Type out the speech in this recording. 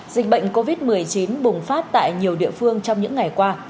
dịch bệnh covid một mươi chín bùng phát tại nhiều địa phương trong những ngày qua